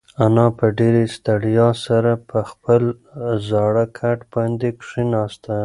انا په ډېرې ستړیا سره پر خپل زاړه کټ باندې کښېناسته.